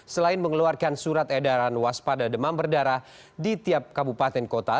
selain mengeluarkan surat edaran waspada demam berdarah di tiap kabupaten kota